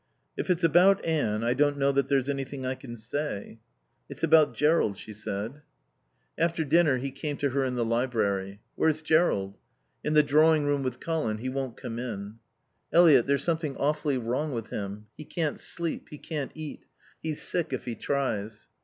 "If it's about Anne, I don't know that there's anything I can say." "It's about Jerrold," she said. After dinner he came to her in the library. "Where's Jerrold?" "In the drawing room with Colin. He won't come in." "Eliot, there's something awfully wrong with him. He can't sleep. He can't eat. He's sick if he tries."